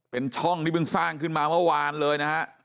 เป็นช่องที่เพิ่งสร้างขึ้นมาเมื่อวานเลยนะฮะ